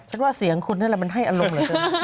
ฉันว่าเสียงคุณนั่นแหละมันให้อารมณ์หรือเปล่า